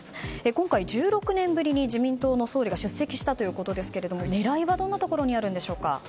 今回、１６年ぶりに自民党の総理が出席したということですが狙いはどんなところにあるんでしょうか？